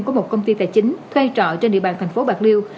của một công ty tài chính thuê trọ trên địa bàn thành phố bạc liêu